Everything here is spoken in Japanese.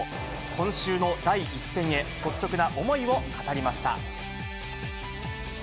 今週の第１戦へ、率直な思いを語りました。